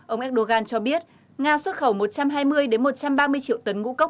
ông erdogan cho biết nga xuất khẩu một trăm hai mươi một trăm ba mươi triệu tấn ngũ cốc